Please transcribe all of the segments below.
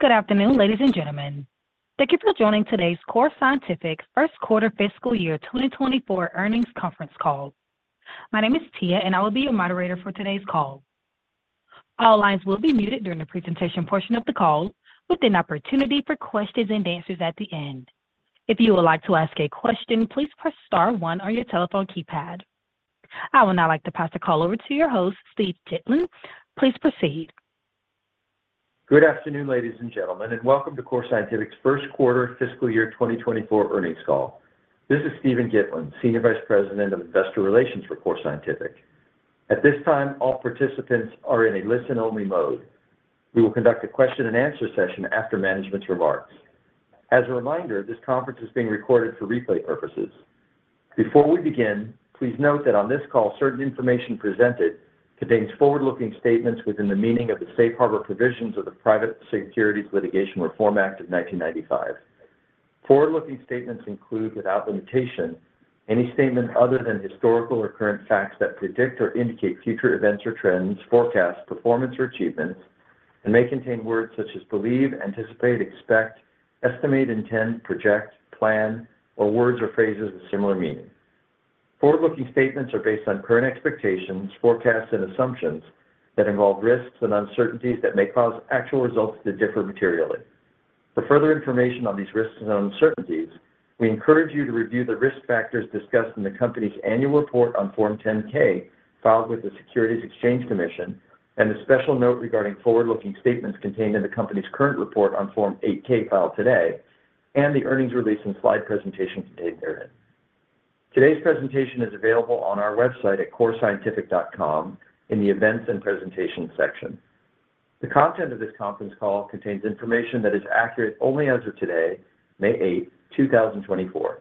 Good afternoon, ladies and gentlemen. Thank you for joining today's Core Scientific first quarter fiscal year 2024 earnings conference call. My name is Tia, and I will be your moderator for today's call. All lines will be muted during the presentation portion of the call, with an opportunity for questions and answers at the end. If you would like to ask a question, please press star one on your telephone keypad. I would now like to pass the call over to your host, Steve Gitlin. Please proceed. Good afternoon, ladies and gentlemen, and welcome to Core Scientific's first quarter fiscal year 2024 earnings call. This is Steven Gitlin, Senior Vice President of Investor Relations for Core Scientific. At this time, all participants are in a listen-only mode. We will conduct a question-and-answer session after management's remarks. As a reminder, this conference is being recorded for replay purposes. Before we begin, please note that on this call, certain information presented contains forward-looking statements within the meaning of the Safe Harbor provisions of the Private Securities Litigation Reform Act of 1995. Forward-looking statements include, without limitation, any statement other than historical or current facts that predict or indicate future events or trends, forecasts, performance, or achievements, and may contain words such as believe, anticipate, expect, estimate, intend, project, plan, or words or phrases with similar meaning. Forward-looking statements are based on current expectations, forecasts, and assumptions that involve risks and uncertainties that may cause actual results to differ materially. For further information on these risks and uncertainties, we encourage you to review the risk factors discussed in the company's annual report on Form 10-K filed with the Securities and Exchange Commission and the special note regarding forward-looking statements contained in the company's current report on Form 8-K filed today and the earnings release and slide presentation contained therein. Today's presentation is available on our website at CoreScientific.com in the Events and Presentations section. The content of this conference call contains information that is accurate only as of today, May 8, 2024.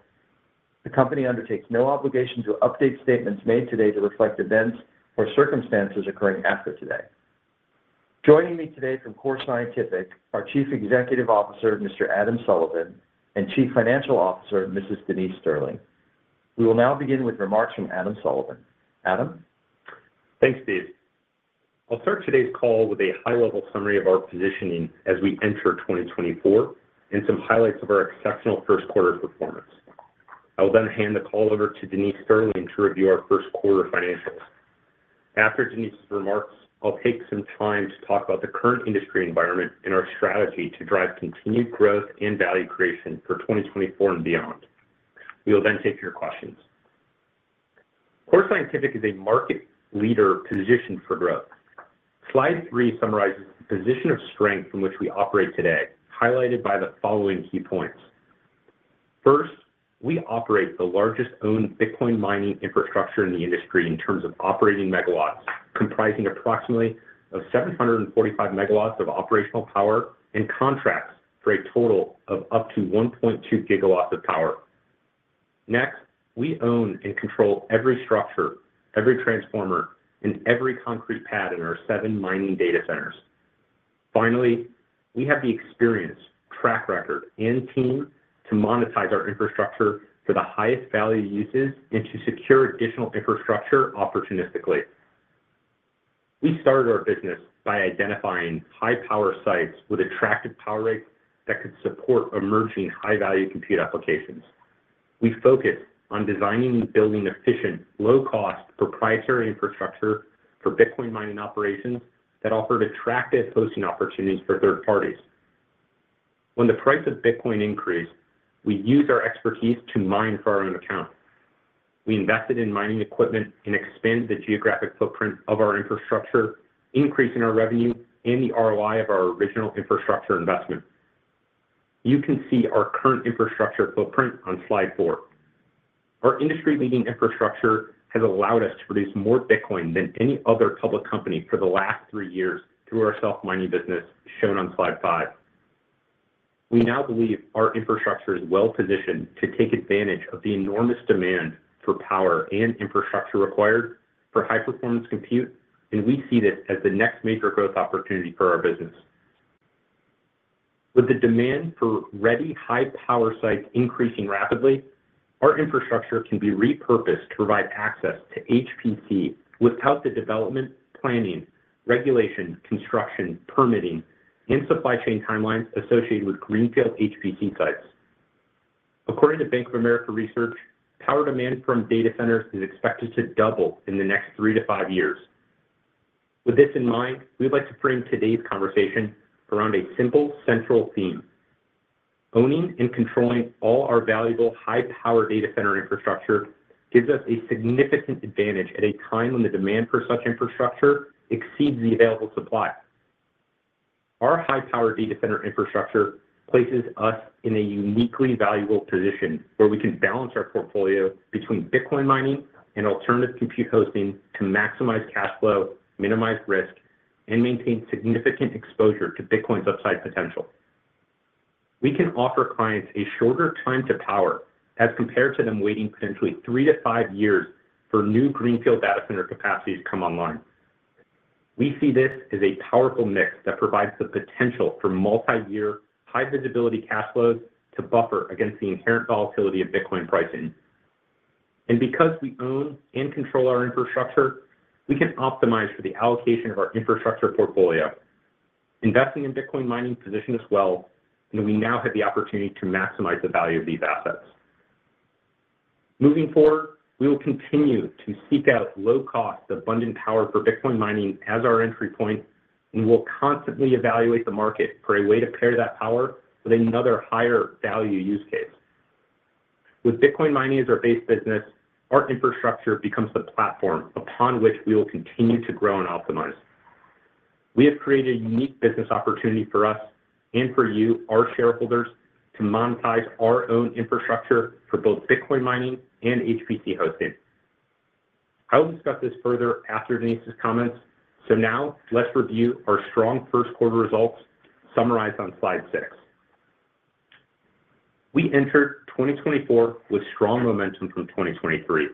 The company undertakes no obligation to update statements made today to reflect events or circumstances occurring after today. Joining me today from Core Scientific are Chief Executive Officer Mr. Adam Sullivan and Chief Financial Officer Mrs. Denise Sterling. We will now begin with remarks from Adam Sullivan. Adam? Thanks, Steve. I'll start today's call with a high-level summary of our positioning as we enter 2024 and some highlights of our exceptional first quarter performance. I will then hand the call over to Denise Sterling to review our first quarter financials. After Denise's remarks, I'll take some time to talk about the current industry environment and our strategy to drive continued growth and value creation for 2024 and beyond. We will then take your questions. Core Scientific is a market leader positioned for growth. Slide 3 summarizes the position of strength from which we operate today, highlighted by the following key points. First, we operate the largest owned Bitcoin mining infrastructure in the industry in terms of operating megawatts, comprising approximately 745 megawatts of operational power and contracts for a total of up to 1.2 gigawatts of power. Next, we own and control every structure, every transformer, and every concrete pad in our seven mining data centers. Finally, we have the experience, track record, and team to monetize our infrastructure for the highest value uses and to secure additional infrastructure opportunistically. We started our business by identifying high-power sites with attractive power rates that could support emerging high-value compute applications. We focused on designing and building efficient, low-cost, proprietary infrastructure for Bitcoin mining operations that offered attractive hosting opportunities for third parties. When the price of Bitcoin increased, we used our expertise to mine for our own account. We invested in mining equipment and expanded the geographic footprint of our infrastructure, increasing our revenue and the ROI of our original infrastructure investment. You can see our current infrastructure footprint on slide four. Our industry-leading infrastructure has allowed us to produce more Bitcoin than any other public company for the last three years through our self-mining business shown on slide five. We now believe our infrastructure is well-positioned to take advantage of the enormous demand for power and infrastructure required for high-performance compute, and we see this as the next major growth opportunity for our business. With the demand for ready, high-power sites increasing rapidly, our infrastructure can be repurposed to provide access to HPC without the development, planning, regulation, construction, permitting, and supply chain timelines associated with greenfield HPC sites. According to Bank of America Research, power demand from data centers is expected to double in the next three-five years. With this in mind, we would like to frame today's conversation around a simple, central theme. Owning and controlling all our valuable high-power data center infrastructure gives us a significant advantage at a time when the demand for such infrastructure exceeds the available supply. Our high-power data center infrastructure places us in a uniquely valuable position where we can balance our portfolio between Bitcoin mining and alternative compute hosting to maximize cash flow, minimize risk, and maintain significant exposure to Bitcoin's upside potential. We can offer clients a shorter time to power as compared to them waiting potentially three-five years for new greenfield data center capacities to come online. We see this as a powerful mix that provides the potential for multi-year, high-visibility cash flows to buffer against the inherent volatility of Bitcoin pricing. Because we own and control our infrastructure, we can optimize for the allocation of our infrastructure portfolio. Investing in Bitcoin mining positions us well, and we now have the opportunity to maximize the value of these assets. Moving forward, we will continue to seek out low-cost, abundant power for Bitcoin mining as our entry point, and we'll constantly evaluate the market for a way to pair that power with another higher-value use case. With Bitcoin mining as our base business, our infrastructure becomes the platform upon which we will continue to grow and optimize. We have created a unique business opportunity for us and for you, our shareholders, to monetize our own infrastructure for both Bitcoin mining and HPC hosting. I will discuss this further after Denise's comments. So now, let's review our strong first quarter results summarized on slide six. We entered 2024 with strong momentum from 2023,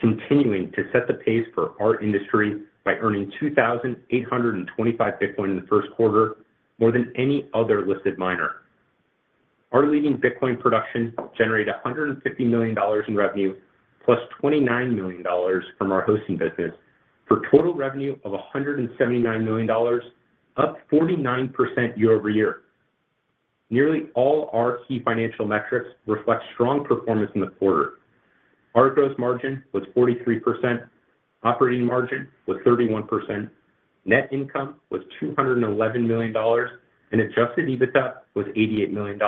continuing to set the pace for our industry by earning 2,825 Bitcoin in the first quarter, more than any other listed miner. Our leading Bitcoin production generated $150 million in revenue plus $29 million from our hosting business for a total revenue of $179 million, up 49% year-over-year. Nearly all our key financial metrics reflect strong performance in the quarter. Our gross margin was 43%, operating margin was 31%, net income was $211 million, and adjusted EBITDA was $88 million,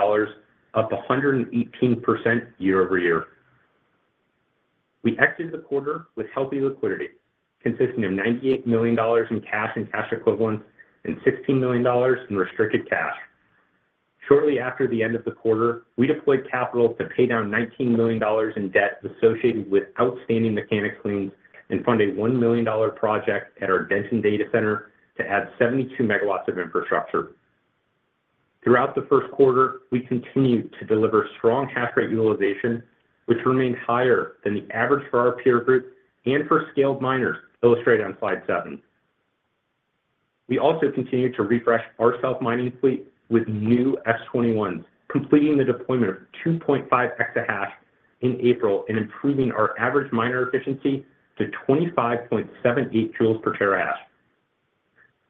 up 118% year-over-year. We exited the quarter with healthy liquidity consisting of $98 million in cash and cash equivalents and $16 million in restricted cash. Shortly after the end of the quarter, we deployed capital to pay down $19 million in debt associated with outstanding mechanics liens and fund a $1 million project at our Denton data center to add 72 MW of infrastructure. Throughout the first quarter, we continued to deliver strong hash rate utilization, which remained higher than the average for our peer group and for scaled miners illustrated on slide seven. We also continued to refresh our self-mining fleet with new S21s, completing the deployment of 2.5 exahash in April and improving our average miner efficiency to 25.78 joules per terahash.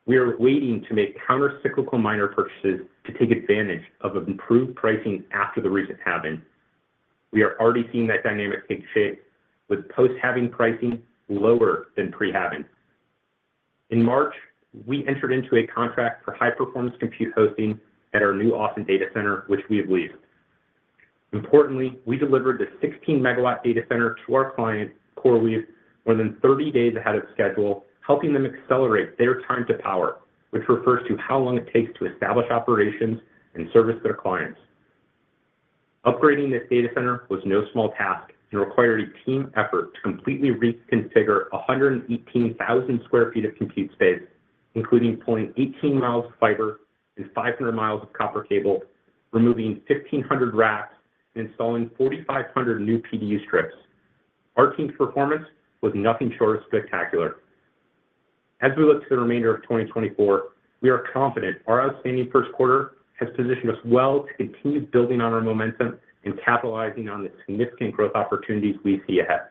We are waiting to make countercyclical miner purchases to take advantage of improved pricing after the recent halving. We are already seeing that dynamic take shape with post-halving pricing lower than pre-halving. In March, we entered into a contract for high-performance compute hosting at our new Austin data center, which we have leased. Importantly, we delivered the 16-MW data center to our client, CoreWeave, more than 30 days ahead of schedule, helping them accelerate their time to power, which refers to how long it takes to establish operations and service their clients. Upgrading this data center was no small task and required a team effort to completely reconfigure 118,000 sq ft of compute space, including 0.18 mi of fiber and 500 mi of copper cable, removing 1,500 racks and installing 4,500 new PDU strips. Our team's performance was nothing short of spectacular. As we look to the remainder of 2024, we are confident our outstanding first quarter has positioned us well to continue building on our momentum and capitalizing on the significant growth opportunities we see ahead.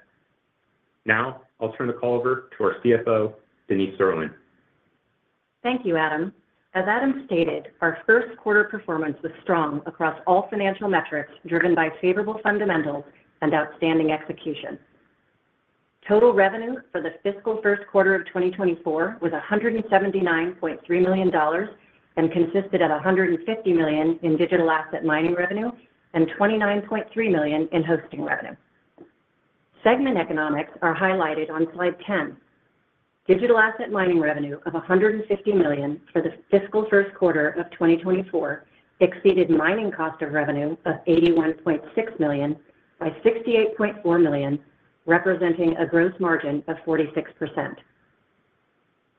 Now, I'll turn the call over to our CFO, Denise Sterling. Thank you, Adam. As Adam stated, our first quarter performance was strong across all financial metrics driven by favorable fundamentals and outstanding execution. Total revenue for the fiscal first quarter of 2024 was $179.3 million and consisted of $150 million in digital asset mining revenue and $29.3 million in hosting revenue. Segment economics are highlighted on slide 10. Digital asset mining revenue of $150 million for the fiscal first quarter of 2024 exceeded mining cost of revenue of $81.6 million by $68.4 million, representing a gross margin of 46%.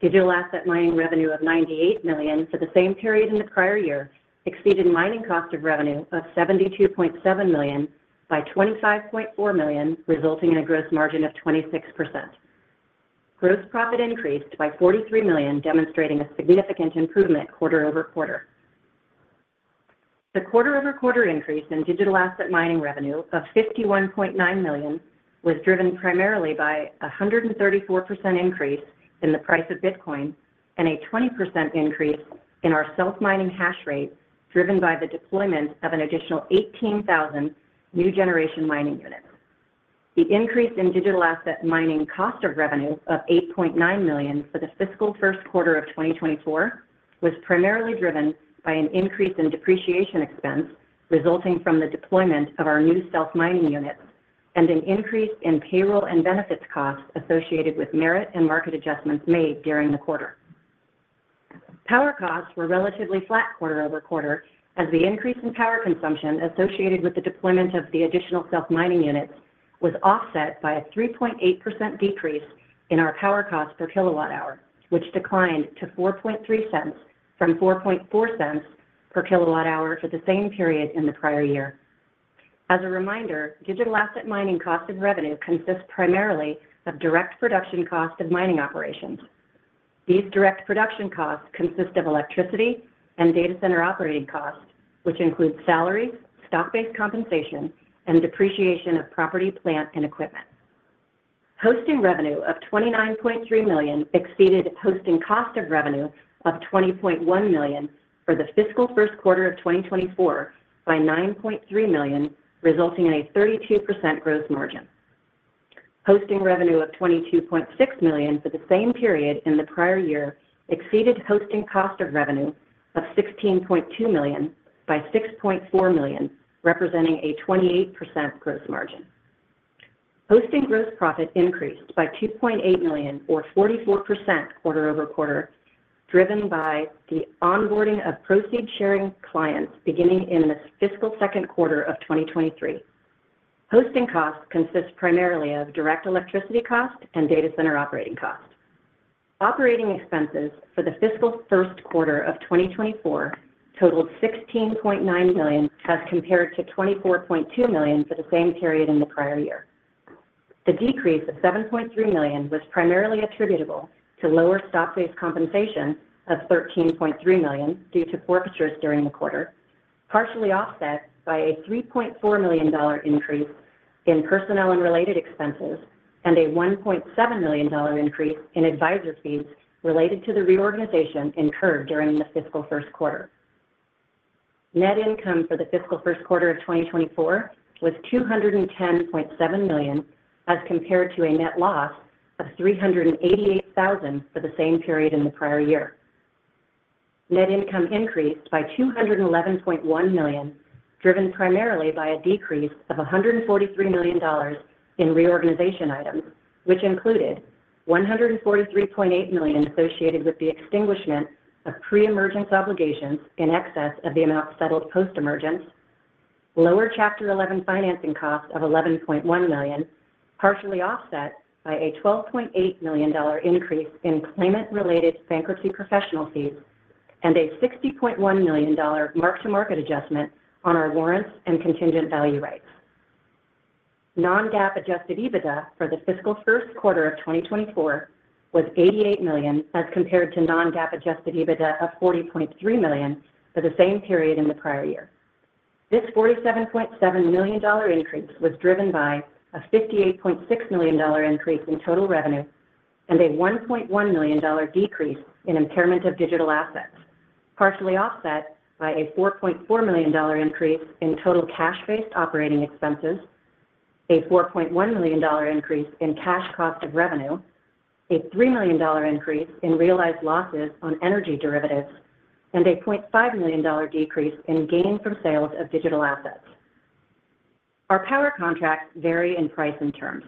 Digital asset mining revenue of $98 million for the same period in the prior year exceeded mining cost of revenue of $72.7 million by $25.4 million, resulting in a gross margin of 26%. Gross profit increased by $43 million, demonstrating a significant improvement quarter-over-quarter. The quarter-over-quarter increase in digital asset mining revenue of $51.9 million was driven primarily by a 134% increase in the price of Bitcoin and a 20% increase in our self-mining hash rate driven by the deployment of an additional 18,000 new generation mining units. The increase in digital asset mining cost of revenue of $8.9 million for the fiscal first quarter of 2024 was primarily driven by an increase in depreciation expense resulting from the deployment of our new self-mining units and an increase in payroll and benefits costs associated with merit and market adjustments made during the quarter. Power costs were relatively flat quarter-over-quarter as the increase in power consumption associated with the deployment of the additional self-mining units was offset by a 3.8% decrease in our power cost per kWh, which declined to $0.0044 per kWh for the same period in the prior year. As a reminder, digital asset mining cost of revenue consists primarily of direct production cost of mining operations. These direct production costs consist of electricity and data center operating costs, which include salaries, stock-based compensation, and depreciation of property, plant, and equipment. Hosting revenue of $29.3 million exceeded hosting cost of revenue of $20.1 million for the fiscal first quarter of 2024 by $9.3 million, resulting in a 32% gross margin. Hosting revenue of $22.6 million for the same period in the prior year exceeded hosting cost of revenue of $16.2 million by $6.4 million, representing a 28% gross margin. Hosting gross profit increased by $2.8 million, or 44% quarter-over-quarter, driven by the onboarding of profit-sharing clients beginning in the fiscal second quarter of 2023. Hosting costs consist primarily of direct electricity cost and data center operating cost. Operating expenses for the fiscal first quarter of 2024 totaled $16.9 million as compared to $24.2 million for the same period in the prior year. The decrease of $7.3 million was primarily attributable to lower stock-based compensation of $13.3 million due to forfeitures during the quarter, partially offset by a $3.4 million increase in personnel and related expenses and a $1.7 million increase in advisor fees related to the reorganization incurred during the fiscal first quarter. Net income for the fiscal first quarter of 2024 was $210.7 million as compared to a net loss of $388,000 for the same period in the prior year. Net income increased by $211.1 million, driven primarily by a decrease of $143 million in reorganization items, which included $143.8 million associated with the extinguishment of pre-emergence obligations in excess of the amount settled post-emergence, lower Chapter 11 financing cost of $11.1 million, partially offset by a $12.8 million increase in claimant-related bankruptcy professional fees, and a $60.1 million mark-to-market adjustment on our warrants and contingent value rights. Non-GAAP adjusted EBITDA for the fiscal first quarter of 2024 was $88 million as compared to non-GAAP adjusted EBITDA of $40.3 million for the same period in the prior year. This $47.7 million increase was driven by a $58.6 million increase in total revenue and a $1.1 million decrease in impairment of digital assets, partially offset by a $4.4 million increase in total cash-based operating expenses, a $4.1 million increase in cash cost of revenue, a $3 million increase in realized losses on energy derivatives, and a $0.5 million decrease in gain from sales of digital assets. Our power contracts vary in price and terms.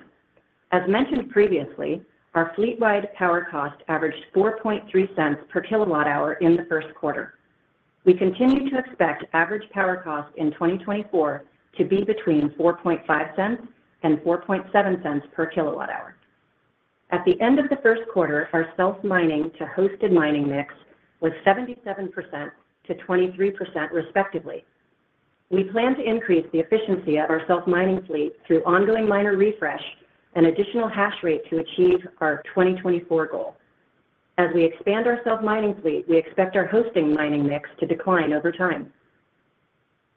As mentioned previously, our fleet-wide power cost averaged $0.43 per kWh in the first quarter. We continue to expect average power cost in 2024 to be between $0.45-$0.75 per kWh. At the end of the first quarter, our self-mining to hosted mining mix was 77%-23% respectively. We plan to increase the efficiency of our self-mining fleet through ongoing miner refresh and additional hash rate to achieve our 2024 goal. As we expand our self-mining fleet, we expect our hosting mining mix to decline over time.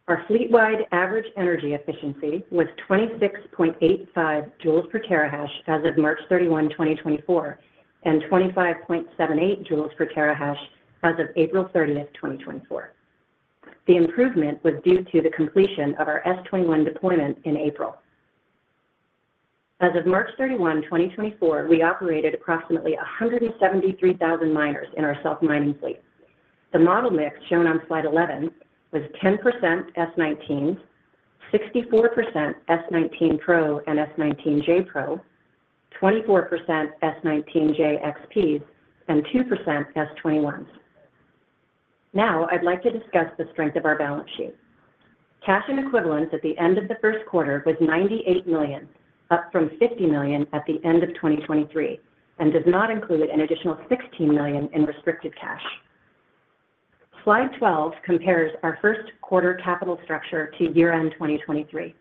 Our fleet-wide average energy efficiency was 26.85 joules per terahash as of March 31, 2024, and 25.78 joules per terahash as of April 30, 2024. The improvement was due to the completion of our S21 deployment in April. As of March 31, 2024, we operated approximately 173,000 miners in our self-mining fleet. The model mix shown on slide 11 was 10% S19s, 64% S19 Pro and S19j Pro, 24% S19j XPs, and 2% S21s. Now, I'd like to discuss the strength of our balance sheet. Cash and equivalents at the end of the first quarter was $98 million, up from $50 million at the end of 2023, and does not include an additional $16 million in restricted cash. Slide 12 compares our first quarter capital structure to year-end 2023.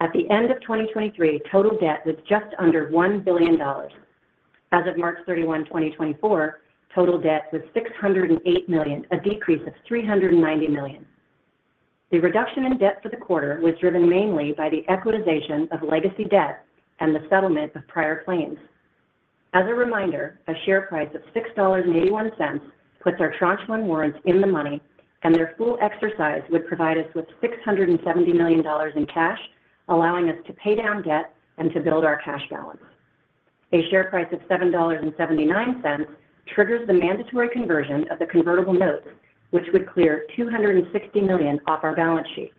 At the end of 2023, total debt was just under $1 billion. As of March 31, 2024, total debt was $608 million, a decrease of $390 million. The reduction in debt for the quarter was driven mainly by the equitization of legacy debt and the settlement of prior claims. As a reminder, a share price of $6.81 puts our tranche one warrants in the money, and their full exercise would provide us with $670 million in cash, allowing us to pay down debt and to build our cash balance. A share price of $7.79 triggers the mandatory conversion of the convertible notes, which would clear $260 million off our balance sheet.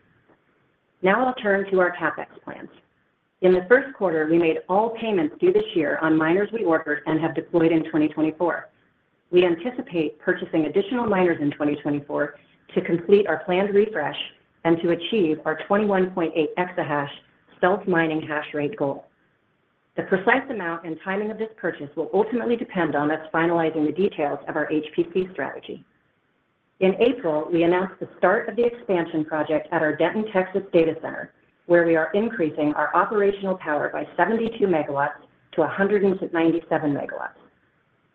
Now, I'll turn to our CapEx plans. In the first quarter, we made all payments due this year on miners we ordered and have deployed in 2024. We anticipate purchasing additional miners in 2024 to complete our planned refresh and to achieve our 21.8 exahash self-mining hash rate goal. The precise amount and timing of this purchase will ultimately depend on us finalizing the details of our HPC strategy. In April, we announced the start of the expansion project at our Denton, Texas data center, where we are increasing our operational power by 72 megawatts to 197 megawatts,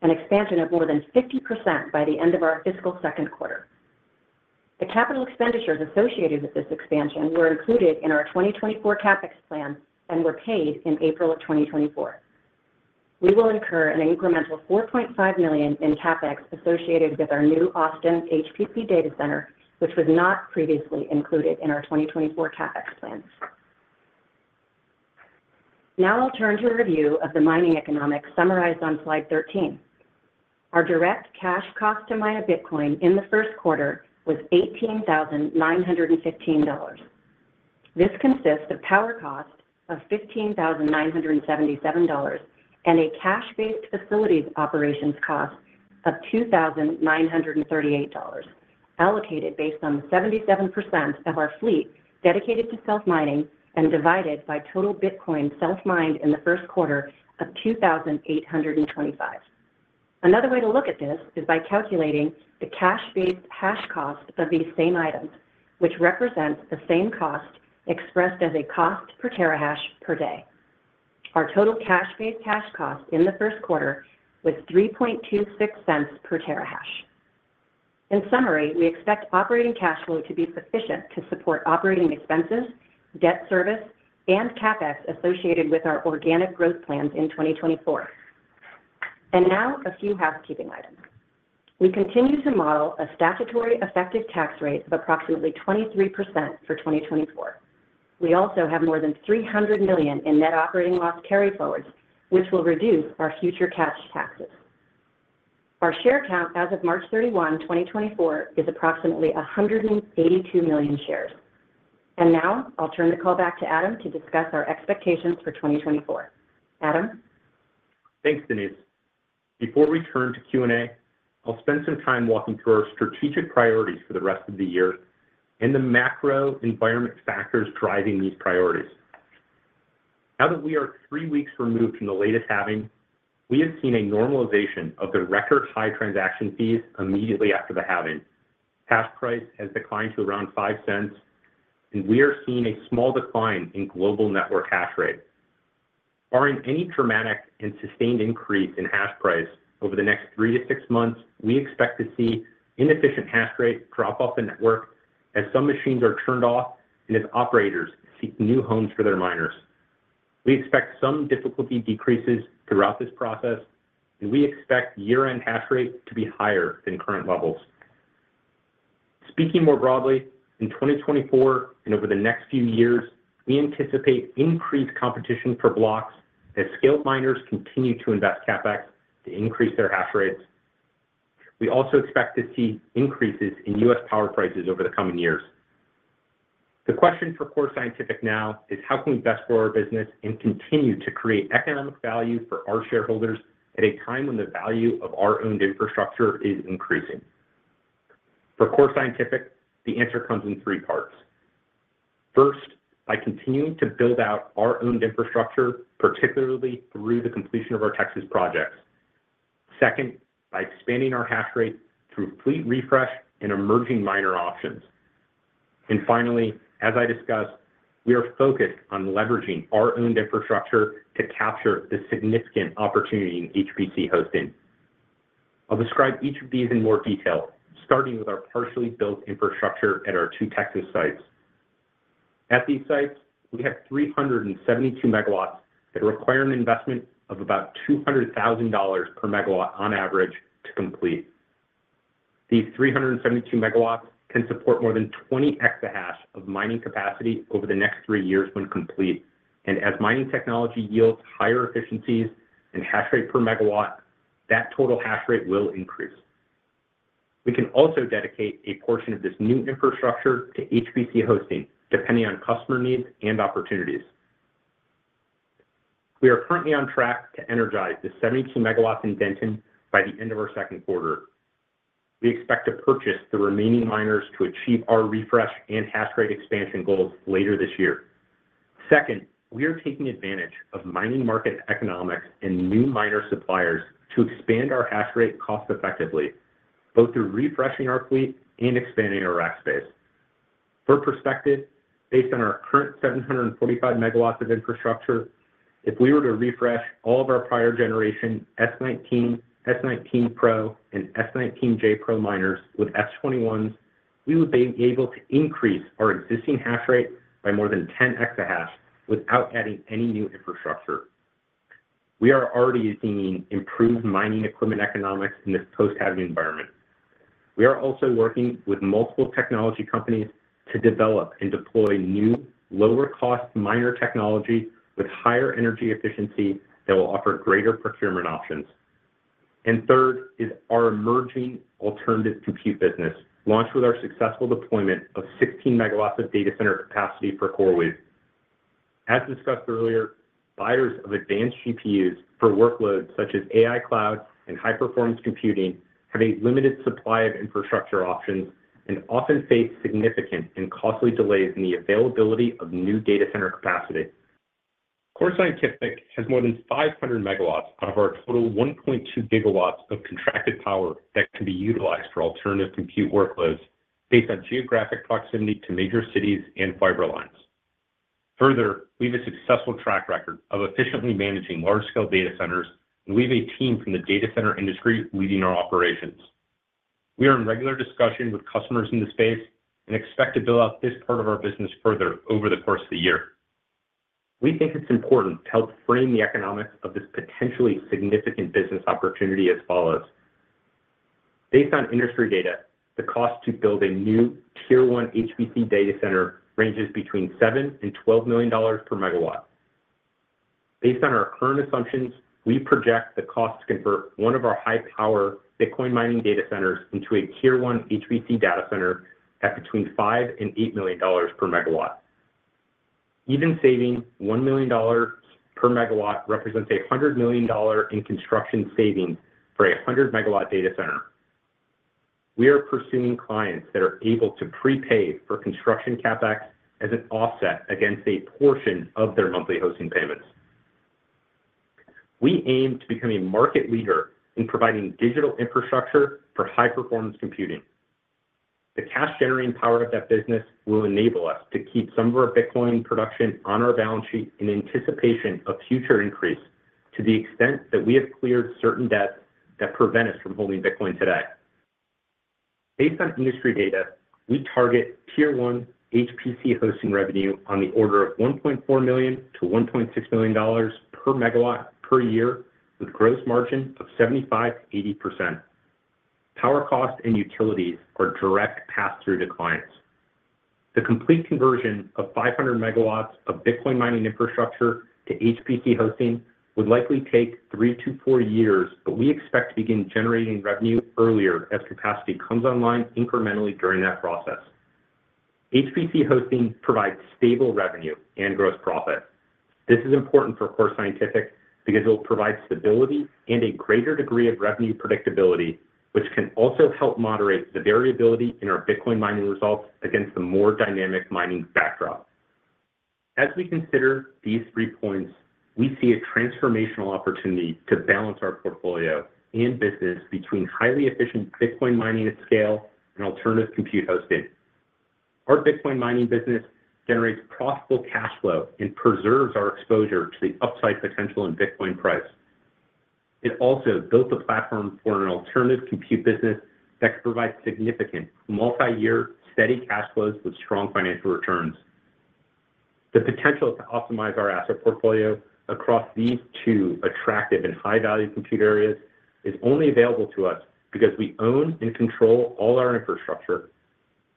an expansion of more than 50% by the end of our fiscal second quarter. The capital expenditures associated with this expansion were included in our 2024 CapEx plan and were paid in April of 2024. We will incur an incremental $4.5 million in CapEx associated with our new Austin HPC data center, which was not previously included in our 2024 CapEx plan. Now, I'll turn to a review of the mining economics summarized on slide 13. Our direct cash cost to mine a Bitcoin in the first quarter was $18,915. This consists of power cost of $15,977 and a cash-based facilities operations cost of $2,938, allocated based on the 77% of our fleet dedicated to self-mining and divided by total Bitcoin self-mined in the first quarter of 2,825. Another way to look at this is by calculating the cash-based hash cost of these same items, which represents the same cost expressed as a cost per terahash per day. Our total cash-based hash cost in the first quarter was $0.326 per terahash. In summary, we expect operating cash flow to be sufficient to support operating expenses, debt service, and CapEx associated with our organic growth plans in 2024. Now, a few housekeeping items. We continue to model a statutory effective tax rate of approximately 23% for 2024. We also have more than $300 million in net operating loss carryforwards, which will reduce our future cash taxes. Our share count as of March 31, 2024, is approximately 182 million shares. Now, I'll turn the call back to Adam to discuss our expectations for 2024. Adam? Thanks, Denise. Before we turn to Q&A, I'll spend some time walking through our strategic priorities for the rest of the year and the macro environment factors driving these priorities. Now that we are three weeks removed from the latest halving, we have seen a normalization of the record high transaction fees immediately after the halving. Hash price has declined to around $0.05, and we are seeing a small decline in global network hash rate. Barring any dramatic and sustained increase in hash price over the next 3 months-6 months, we expect to see inefficient hash rate drop off the network as some machines are turned off and as operators seek new homes for their miners. We expect some difficulty decreases throughout this process, and we expect year-end hash rate to be higher than current levels. Speaking more broadly, in 2024 and over the next few years, we anticipate increased competition for blocks as scaled miners continue to invest CapEx to increase their hash rates. We also expect to see increases in U.S. power prices over the coming years. The question for Core Scientific now is, how can we best grow our business and continue to create economic value for our shareholders at a time when the value of our owned infrastructure is increasing? For Core Scientific, the answer comes in three parts. First, by continuing to build out our owned infrastructure, particularly through the completion of our Texas projects. Second, by expanding our hash rate through fleet refresh and emerging miner options. And finally, as I discussed, we are focused on leveraging our owned infrastructure to capture the significant opportunity in HPC hosting. I'll describe each of these in more detail, starting with our partially built infrastructure at our two Texas sites. At these sites, we have 372 MW that require an investment of about $200,000 per MW on average to complete. These 372 MW can support more than 20 exahash of mining capacity over the next three years when complete. And as mining technology yields higher efficiencies and hash rate per MW, that total hash rate will increase. We can also dedicate a portion of this new infrastructure to HPC hosting, depending on customer needs and opportunities. We are currently on track to energize the 72 MW in Denton by the end of our second quarter. We expect to purchase the remaining miners to achieve our refresh and hash rate expansion goals later this year. Second, we are taking advantage of mining market economics and new miner suppliers to expand our hash rate cost-effectively, both through refreshing our fleet and expanding our rack space. For perspective, based on our current 745 megawatts of infrastructure, if we were to refresh all of our prior generation S19, S19 Pro, and S19j Pro miners with S21s, we would be able to increase our existing hash rate by more than 10 exahash without adding any new infrastructure. We are already seeing improved mining equipment economics in this post-halving environment. We are also working with multiple technology companies to develop and deploy new, lower-cost miner technology with higher energy efficiency that will offer greater procurement options. And third is our emerging alternative compute business, launched with our successful deployment of 16 megawatts of data center capacity for CoreWeave. As discussed earlier, buyers of advanced GPUs for workloads such as AI Cloud and high-performance computing have a limited supply of infrastructure options and often face significant and costly delays in the availability of new data center capacity. Core Scientific has more than 500 MW out of our total 1.2 GW of contracted power that can be utilized for alternative compute workloads based on geographic proximity to major cities and fiber lines. Further, we have a successful track record of efficiently managing large-scale data centers, and we have a team from the data center industry leading our operations. We are in regular discussion with customers in the space and expect to build out this part of our business further over the course of the year. We think it's important to help frame the economics of this potentially significant business opportunity as follows. Based on industry data, the cost to build a new tier one HPC data center ranges between $7 million - $12 million per megawatt. Based on our current assumptions, we project the cost to convert one of our high-power Bitcoin mining data centers into a tier one HPC data center at between $5 million-$8 million per megawatt. Even saving $1 million per megawatt represents a $100 million in construction savings for a 100-megawatt data center. We are pursuing clients that are able to prepay for construction CapEx as an offset against a portion of their monthly hosting payments. We aim to become a market leader in providing digital infrastructure for high-performance computing. The cash-generating power of that business will enable us to keep some of our Bitcoin production on our balance sheet in anticipation of future increase to the extent that we have cleared certain debts that prevent us from holding Bitcoin today. Based on industry data, we target tier one HPC hosting revenue on the order of $1.4 million-$1.6 million per megawatt per year with gross margin of 75%-80%. Power costs and utilities are direct pass-through to clients. The complete conversion of 500 megawatts of Bitcoin mining infrastructure to HPC hosting would likely take three-four years, but we expect to begin generating revenue earlier as capacity comes online incrementally during that process. HPC hosting provides stable revenue and gross profit. This is important for Core Scientific because it will provide stability and a greater degree of revenue predictability, which can also help moderate the variability in our Bitcoin mining results against the more dynamic mining backdrop. As we consider these three points, we see a transformational opportunity to balance our portfolio and business between highly efficient Bitcoin mining at scale and alternative compute hosting. Our Bitcoin mining business generates profitable cash flow and preserves our exposure to the upside potential in Bitcoin price. It also built the platform for an alternative compute business that could provide significant multi-year steady cash flows with strong financial returns. The potential to optimize our asset portfolio across these two attractive and high-value compute areas is only available to us because we own and control all our infrastructure.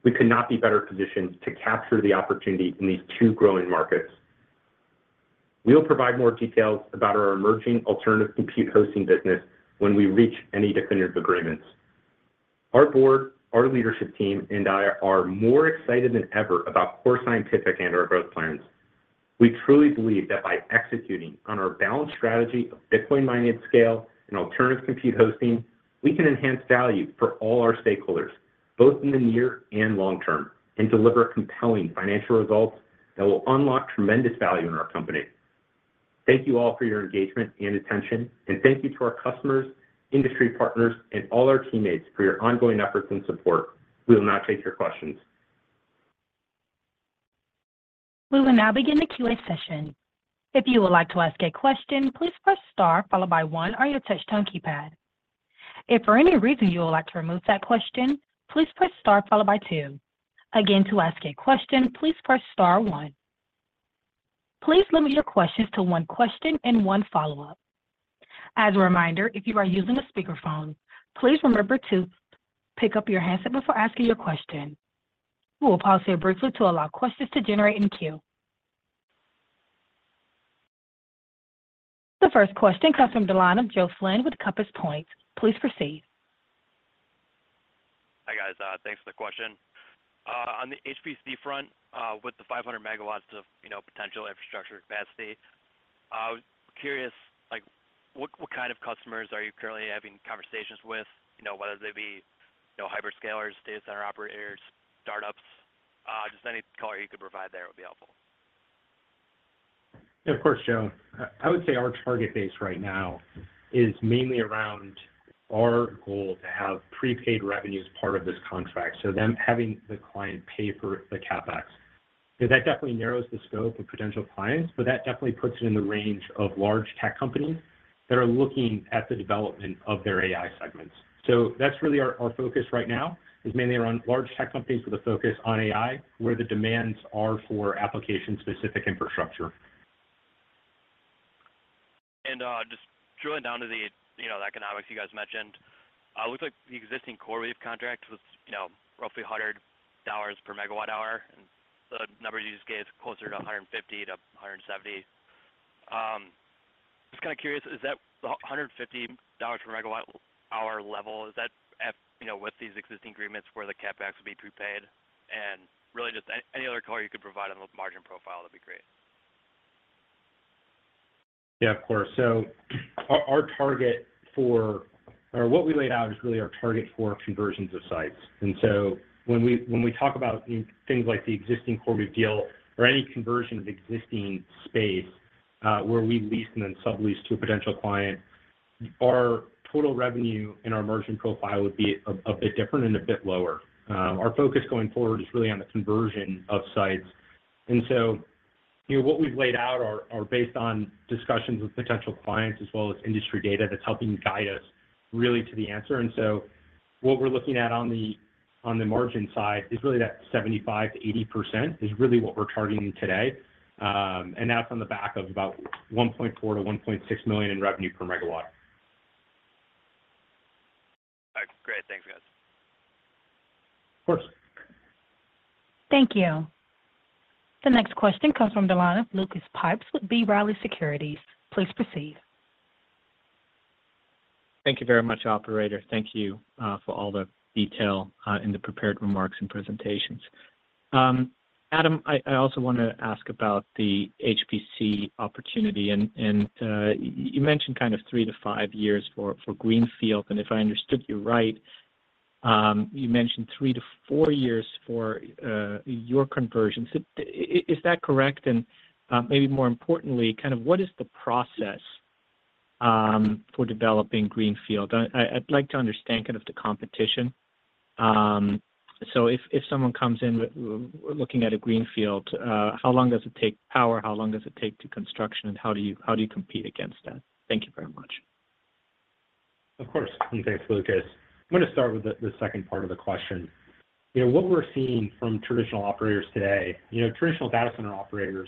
We could not be better positioned to capture the opportunity in these two growing markets. We will provide more details about our emerging alternative compute hosting business when we reach any definitive agreements. Our board, our leadership team, and I are more excited than ever about Core Scientific and our growth plans. We truly believe that by executing on our balanced strategy of Bitcoin mining at scale and alternative compute hosting, we can enhance value for all our stakeholders, both in the near and long term, and deliver compelling financial results that will unlock tremendous value in our company. Thank you all for your engagement and attention. Thank you to our customers, industry partners, and all our teammates for your ongoing efforts and support. We will not take your questions. We will now begin the Q&A session. If you would like to ask a question, please press star followed by one on your touch-tone keypad. If for any reason you would like to remove that question, please press star followed by two. Again, to ask a question, please press star one. Please limit your questions to one question and one follow-up. As a reminder, if you are using a speakerphone, please remember to pick up your handset before asking your question. We will pause here briefly to allow questions to generate in queue. The first question comes from Joe Flynn with Compass Point. Please proceed. Hi guys. Thanks for the question. On the HPC front, with the 500 MW of potential infrastructure capacity, I was curious, what kind of customers are you currently having conversations with? Whether they be hyperscalers, data center operators, startups? Just any color you could provide there would be helpful. Yeah, of course, Joe. I would say our target base right now is mainly around our goal to have prepaid revenue as part of this contract, so them having the client pay for the CapEx. That definitely narrows the scope of potential clients, but that definitely puts it in the range of large tech companies that are looking at the development of their AI segments. So that's really our focus right now, is mainly around large tech companies with a focus on AI where the demands are for application-specific infrastructure. Just drilling down to the economics you guys mentioned, it looks like the existing CoreWeave contract was roughly $100 per megawatt hour, and the number you just gave is closer to $150-$170. Just kind of curious, is that the $150 per megawatt hour level, is that with these existing agreements where the CapEx would be prepaid? And really, just any other color you could provide on the margin profile, that'd be great. Yeah, of course. So our target for or what we laid out is really our target for conversions of sites. And so when we talk about things like the existing CoreWeave deal or any conversion of existing space where we lease and then sublease to a potential client, our total revenue in our margin profile would be a bit different and a bit lower. Our focus going forward is really on the conversion of sites. And so what we've laid out are based on discussions with potential clients as well as industry data that's helping guide us really to the answer. And so what we're looking at on the margin side is really that 75%-80% is really what we're targeting today. And that's on the back of about $1.4 million-$1.6 million in revenue per megawatt. All right. Great. Thanks, guys. Of course. Thank you. The next question comes from the line of Lucas Pipes with B. Riley Securities. Please proceed. Thank you very much, operator. Thank you for all the detail in the prepared remarks and presentations. Adam, I also want to ask about the HPC opportunity. You mentioned kind of three-five years for Greenfield. If I understood you right, you mentioned three-four years for your conversions. Is that correct? Maybe more importantly, kind of what is the process for developing Greenfield? I'd like to understand kind of the competition. So if someone comes in looking at a Greenfield, how long does it take power? How long does it take to construction? And how do you compete against that? Thank you very much. Of course. And thanks, Lucas. I'm going to start with the second part of the question. What we're seeing from traditional operators today, traditional data center operators,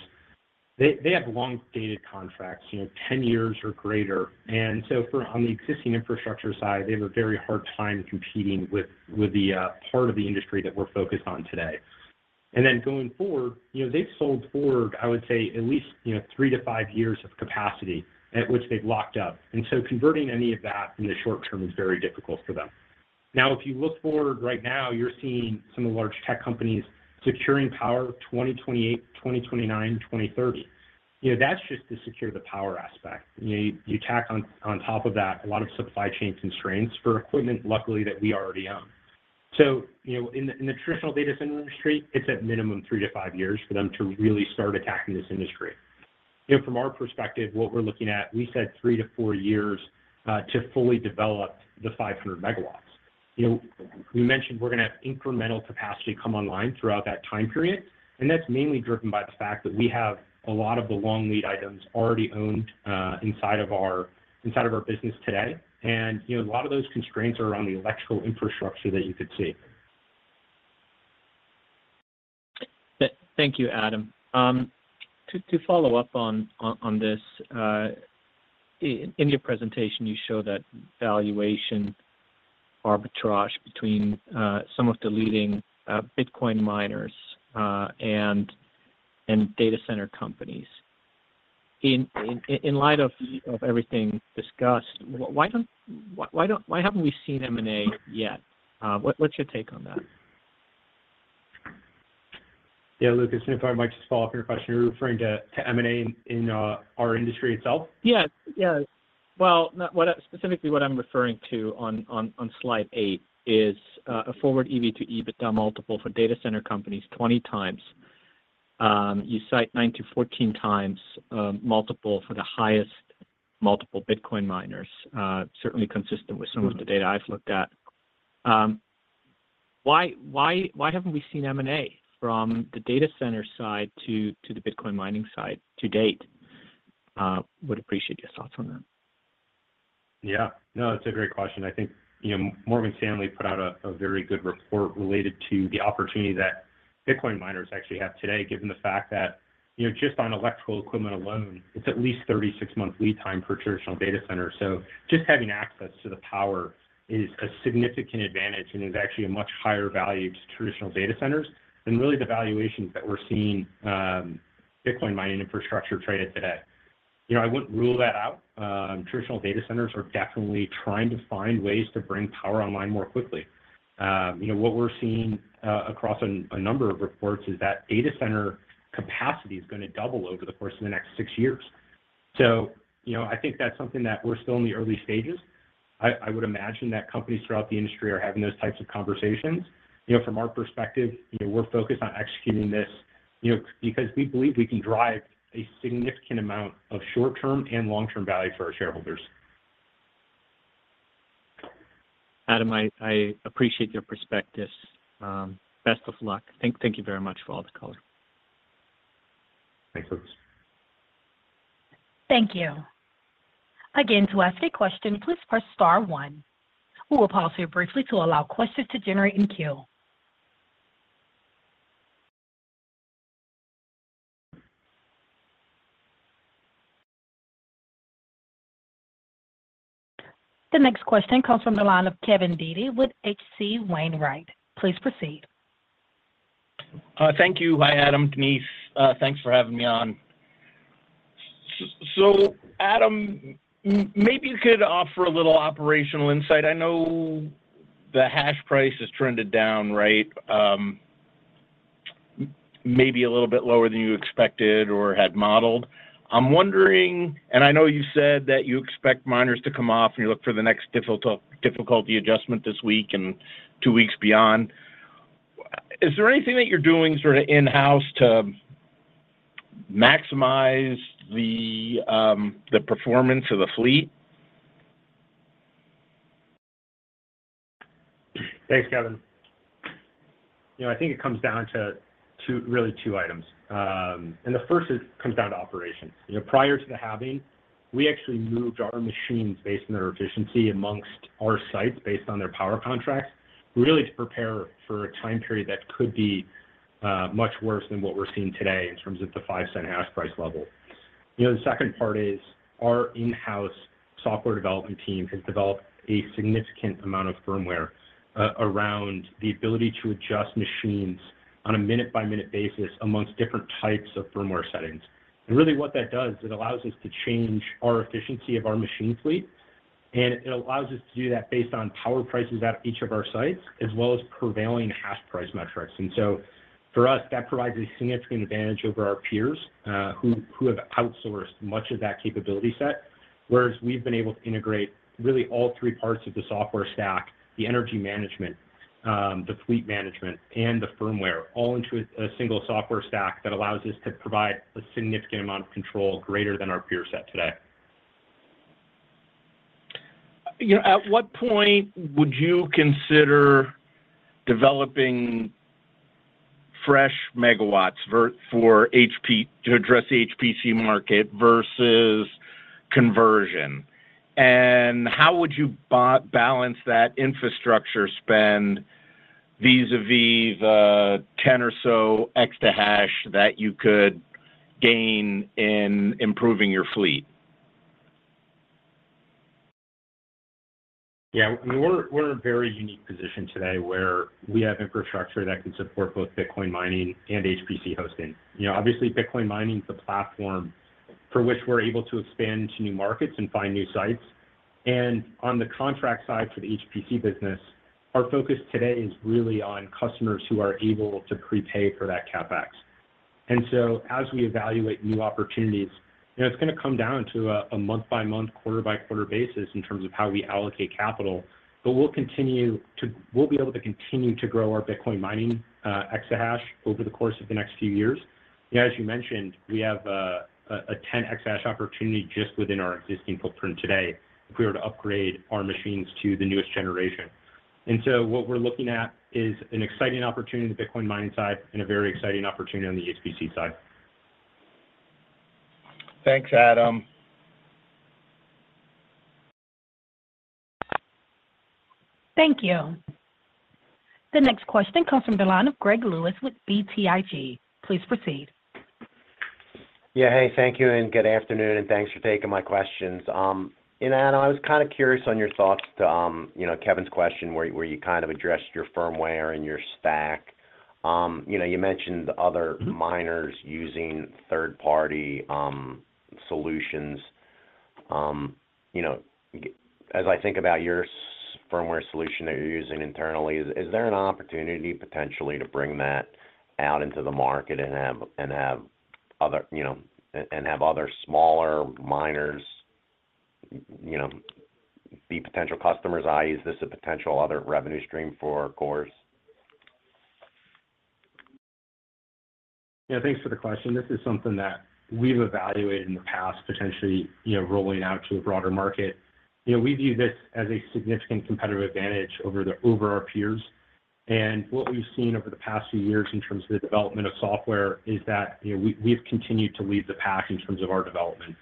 they have long-dated contracts, 10 years or greater. And so on the existing infrastructure side, they have a very hard time competing with the part of the industry that we're focused on today. And then going forward, they've sold forward, I would say, at least three-five years of capacity at which they've locked up. And so converting any of that in the short term is very difficult for them. Now, if you look forward right now, you're seeing some of the large tech companies securing power 2028, 2029, 2030. That's just to secure the power aspect. You tack on top of that a lot of supply chain constraints for equipment, luckily, that we already own. So in the traditional data center industry, it's at minimum three-five years for them to really start attacking this industry. From our perspective, what we're looking at, we said three-four years to fully develop the 500 MW. We mentioned we're going to have incremental capacity come online throughout that time period. And that's mainly driven by the fact that we have a lot of the long lead items already owned inside of our business today. And a lot of those constraints are around the electrical infrastructure that you could see. Thank you, Adam. To follow up on this, in your presentation, you show that valuation arbitrage between some of the leading Bitcoin miners and data center companies. In light of everything discussed, why haven't we seen M&A yet? What's your take on that? Yeah, Lucas, and if I might just follow up on your question, you're referring to M&A in our industry itself? Yeah. Yes. Well, specifically, what I'm referring to on slide 8 is a forward EV to EBITDA multiple for data center companies 20x. You cite 9x-14x multiple for the highest multiple Bitcoin miners, certainly consistent with some of the data I've looked at. Why haven't we seen M&A from the data center side to the Bitcoin mining side to date? Would appreciate your thoughts on that. Yeah. No, that's a great question. I think Morgan Stanley put out a very good report related to the opportunity that Bitcoin miners actually have today, given the fact that just on electrical equipment alone, it's at least 36-month lead time for traditional data centers. So just having access to the power is a significant advantage, and it's actually a much higher value to traditional data centers than really the valuations that we're seeing Bitcoin mining infrastructure traded today. I wouldn't rule that out. Traditional data centers are definitely trying to find ways to bring power online more quickly. What we're seeing across a number of reports is that data center capacity is going to double over the course of the next six years. So I think that's something that we're still in the early stages. I would imagine that companies throughout the industry are having those types of conversations. From our perspective, we're focused on executing this because we believe we can drive a significant amount of short-term and long-term value for our shareholders. Adam, I appreciate your perspective. Best of luck. Thank you very much for all the color. Thanks, Lucas. Thank you. Again, to ask a question, please press star one. We will pause here briefly to allow questions to generate in queue. The next question comes from the line of Kevin Dede with H.C. Wainwright. Please proceed. Thank you. Hi, Adam. Denise, thanks for having me on. So, Adam, maybe you could offer a little operational insight. I know the hash price has trended down, right? Maybe a little bit lower than you expected or had modeled. I'm wondering, and I know you said that you expect miners to come off and you look for the next difficulty adjustment this week and two weeks beyond. Is there anything that you're doing sort of in-house to maximize the performance of the fleet? Thanks, Kevin. I think it comes down to really two items. And the first comes down to operations. Prior to the halving, we actually moved our machines based on their efficiency amongst our sites based on their power contracts, really to prepare for a time period that could be much worse than what we're seeing today in terms of the $0.05 hash price level. The second part is our in-house software development team has developed a significant amount of firmware around the ability to adjust machines on a minute-by-minute basis amongst different types of firmware settings. And really, what that does, it allows us to change our efficiency of our machine fleet. And it allows us to do that based on power prices at each of our sites, as well as prevailing hash price metrics. And so for us, that provides a significant advantage over our peers who have outsourced much of that capability set, whereas we've been able to integrate really all three parts of the software stack: the energy management, the fleet management, and the firmware, all into a single software stack that allows us to provide a significant amount of control greater than our peer set today. At what point would you consider developing fresh megawatts to address the HPC market versus conversion? And how would you balance that infrastructure spend vis-à-vis the 10 or so extra hash that you could gain in improving your fleet? Yeah. We're in a very unique position today where we have infrastructure that can support both Bitcoin mining and HPC hosting. Obviously, Bitcoin mining is the platform for which we're able to expand to new markets and find new sites. And on the contract side for the HPC business, our focus today is really on customers who are able to prepay for that CapEx. And so as we evaluate new opportunities, it's going to come down to a month-by-month, quarter-by-quarter basis in terms of how we allocate capital. But we'll be able to continue to grow our Bitcoin mining exahash over the course of the next few years. As you mentioned, we have a 10-exahash opportunity just within our existing footprint today if we were to upgrade our machines to the newest generation. What we're looking at is an exciting opportunity on the Bitcoin mining side and a very exciting opportunity on the HPC side. Thanks, Adam. Thank you. The next question comes from the line of Gregory Lewis with BTIG. Please proceed. Yeah. Hey, thank you. And good afternoon. And thanks for taking my questions. And Adam, I was kind of curious on your thoughts to Kevin's question where you kind of addressed your firmware and your stack. You mentioned other miners using third-party solutions. As I think about your firmware solution that you're using internally, is there an opportunity potentially to bring that out into the market and have other smaller miners be potential customers, i.e., is this a potential other revenue stream for CORZ? Yeah. Thanks for the question. This is something that we've evaluated in the past, potentially rolling out to a broader market. We view this as a significant competitive advantage over our peers. And what we've seen over the past few years in terms of the development of software is that we've continued to lead the pack in terms of our development.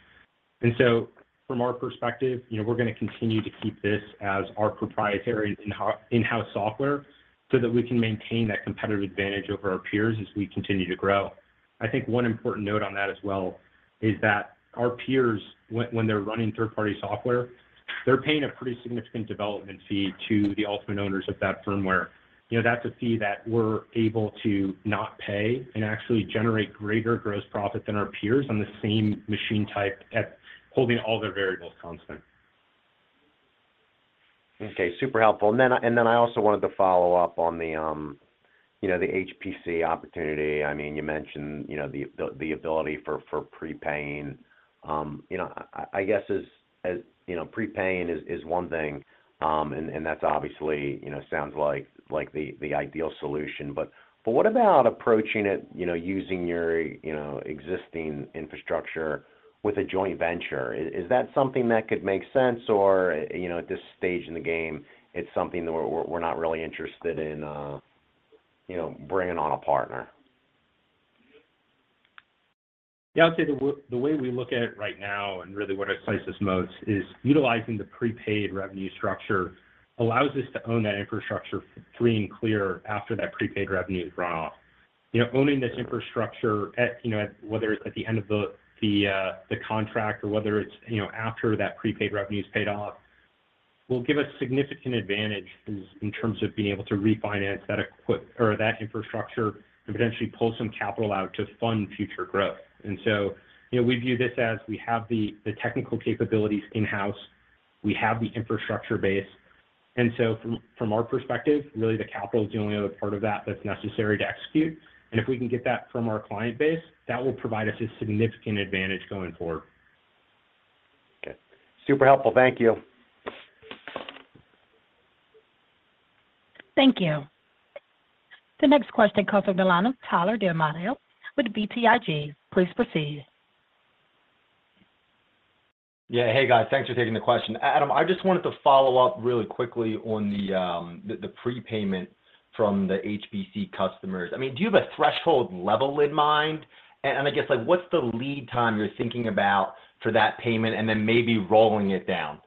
And so from our perspective, we're going to continue to keep this as our proprietary in-house software so that we can maintain that competitive advantage over our peers as we continue to grow. I think one important note on that as well is that our peers, when they're running third-party software, they're paying a pretty significant development fee to the ultimate owners of that firmware. That's a fee that we're able to not pay and actually generate greater gross profit than our peers on the same machine type by holding all their variables constant. Okay. Super helpful. And then I also wanted to follow up on the HPC opportunity. I mean, you mentioned the ability for prepaying. I guess prepaying is one thing, and that obviously sounds like the ideal solution. But what about approaching it using your existing infrastructure with a joint venture? Is that something that could make sense, or at this stage in the game, it's something that we're not really interested in bringing on a partner? Yeah. I would say the way we look at it right now and really what excites us most is utilizing the prepaid revenue structure allows us to own that infrastructure free and clear after that prepaid revenue is run off. Owning this infrastructure, whether it's at the end of the contract or whether it's after that prepaid revenue is paid off, will give us significant advantages in terms of being able to refinance that infrastructure and potentially pull some capital out to fund future growth. And so we view this as we have the technical capabilities in-house. We have the infrastructure base. And so from our perspective, really, the capital is the only other part of that that's necessary to execute. And if we can get that from our client base, that will provide us a significant advantage going forward. Okay. Super helpful. Thank you. Thank you. The next question comes from Tyler DiMatteo with BTIG. Please proceed. Yeah. Hey, guys. Thanks for taking the question. Adam, I just wanted to follow up really quickly on the prepayment from the HPC customers. I mean, do you have a threshold level in mind? And I guess, what's the lead time you're thinking about for that payment and then maybe rolling it down?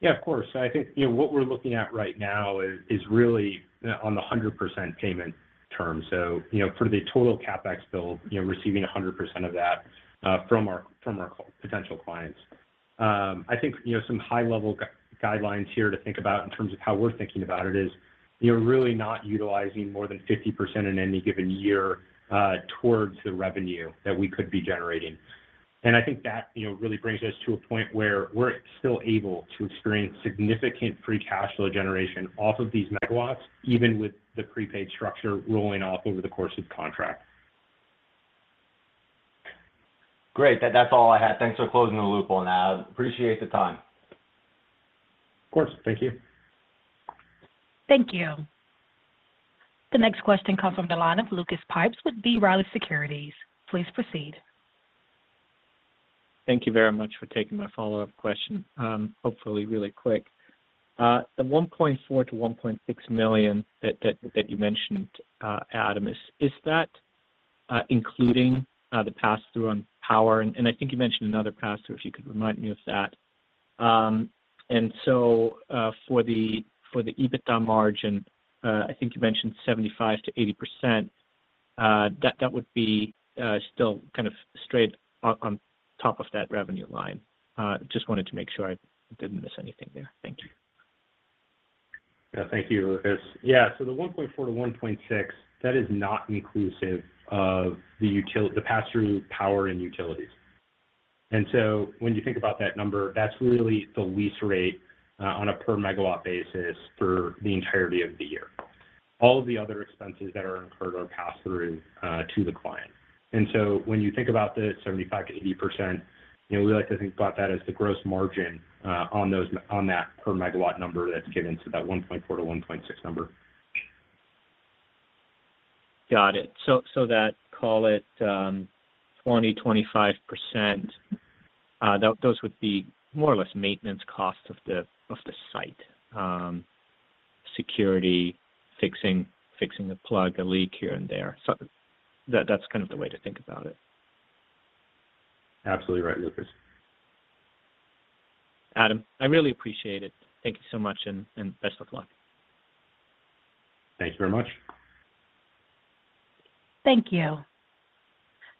Yeah, of course. I think what we're looking at right now is really on the 100% payment term. So for the total CapEx bill, receiving 100% of that from our potential clients. I think some high-level guidelines here to think about in terms of how we're thinking about it is really not utilizing more than 50% in any given year towards the revenue that we could be generating. And I think that really brings us to a point where we're still able to experience significant free cash flow generation off of these megawatts, even with the prepaid structure rolling off over the course of contract. Great. That's all I had. Thanks for closing the loop on that. Appreciate the time. Of course. Thank you. Thank you. The next question comes from the line of Lucas Pipes with B. Riley Securities. Please proceed. Thank you very much for taking my follow-up question, hopefully really quick. The $1.4 million-$1.6 million that you mentioned, Adam, is that including the pass-through on power? And I think you mentioned another pass-through, if you could remind me of that. And so for the EBITDA margin, I think you mentioned 75%-80%. That would be still kind of straight on top of that revenue line. Just wanted to make sure I didn't miss anything there. Thank you. Yeah. Thank you, Lucas. Yeah. So the $1.4 million-$1.6 million, that is not inclusive of the pass-through power and utilities. And so when you think about that number, that's really the lease rate on a per-megawatt basis for the entirety of the year. All of the other expenses that are incurred are passed through to the client. And so when you think about the 75%-80%, we like to think about that as the gross margin on that per-megawatt number that's given to that 1.4-1.6 number. Got it. So call it 20%-25%. Those would be more or less maintenance costs of the site: security, fixing a plug, a leak here and there. That's kind of the way to think about it. Absolutely right, Lucas. Adam, I really appreciate it. Thank you so much, and best of luck. Thanks very much. Thank you.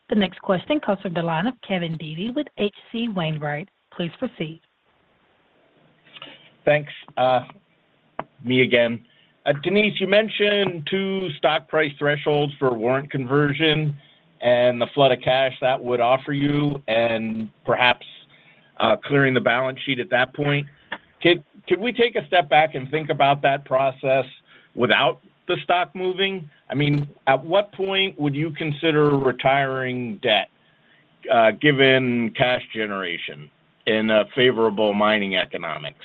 The next question comes from the line of Kevin Dede with HC Wainwright. Please proceed. Thanks. Me again. Denise, you mentioned two stock price thresholds for warrant conversion and the flood of cash that would offer you and perhaps clearing the balance sheet at that point. Could we take a step back and think about that process without the stock moving? I mean, at what point would you consider retiring debt given cash generation in favorable mining economics?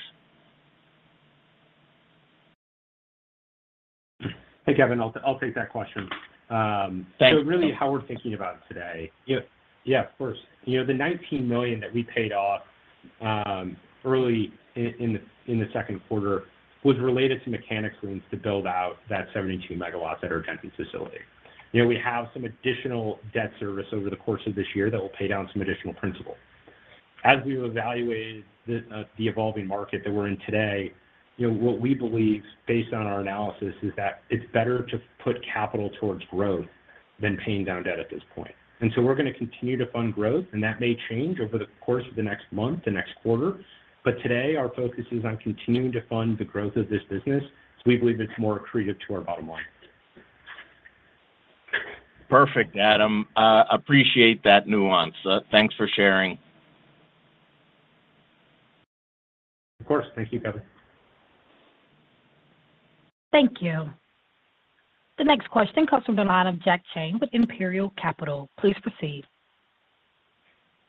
Hey, Kevin. I'll take that question. So really, how we're thinking about it today, yeah, of course. The $19 million that we paid off early in the second quarter was related to mechanics liens to build out that 72 MW at our Denton facility. We have some additional debt service over the course of this year that will pay down some additional principal. As we've evaluated the evolving market that we're in today, what we believe, based on our analysis, is that it's better to put capital towards growth than paying down debt at this point. And so we're going to continue to fund growth, and that may change over the course of the next month, the next quarter. But today, our focus is on continuing to fund the growth of this business. We believe it's more accretive to our bottom line. Perfect, Adam. Appreciate that nuance. Thanks for sharing. Of course. Thank you, Kevin. Thank you. The next question comes from Jack Chang with Imperial Capital. Please proceed.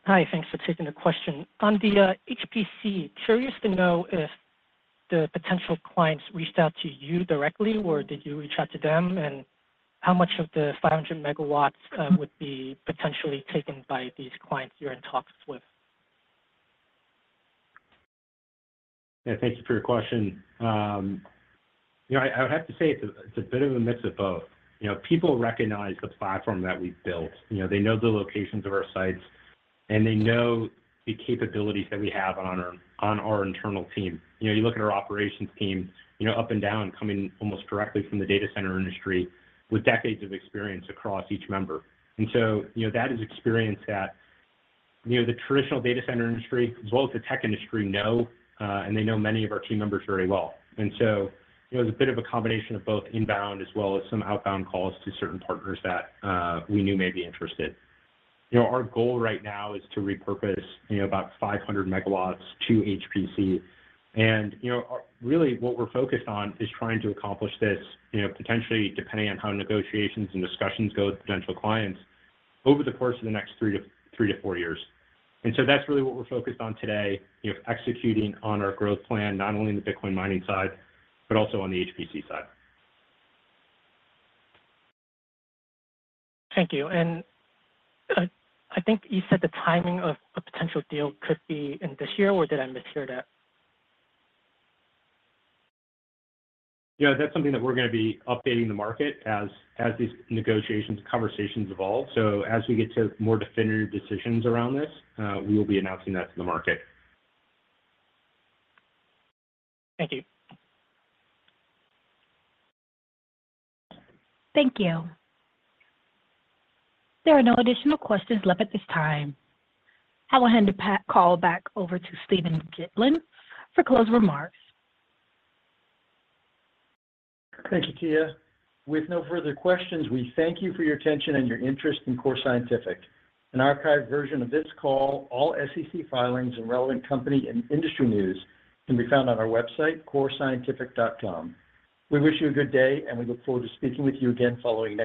Hi. Thanks for taking the question. On the HPC, curious to know if the potential clients reached out to you directly, or did you reach out to them, and how much of the 500 MW would be potentially taken by these clients you're in talks with? Yeah. Thank you for your question. I would have to say it's a bit of a mix of both. People recognize the platform that we've built. They know the locations of our sites, and they know the capabilities that we have on our internal team. You look at our operations team up and down coming almost directly from the data center industry with decades of experience across each member. And so that is experience that the traditional data center industry, as well as the tech industry, know, and they know many of our team members very well. And so it was a bit of a combination of both inbound as well as some outbound calls to certain partners that we knew may be interested. Our goal right now is to repurpose about 500 megawatts to HPC. Really, what we're focused on is trying to accomplish this, potentially depending on how negotiations and discussions go with potential clients, over the course of the next three-four years. So that's really what we're focused on today, executing on our growth plan, not only in the Bitcoin mining side but also on the HPC side. Thank you. And I think you said the timing of a potential deal could be in this year, or did I mishear that? Yeah. That's something that we're going to be updating the market as these negotiations and conversations evolve. So as we get to more definitive decisions around this, we will be announcing that to the market. Thank you. Thank you. There are no additional questions left at this time. I will hand the call back over to Steven Gitlin for closing remarks. Thank you, Tia. With no further questions, we thank you for your attention and your interest in Core Scientific. An archived version of this call, all SEC filings, and relevant company and industry news can be found on our website, corescientific.com. We wish you a good day, and we look forward to speaking with you again following.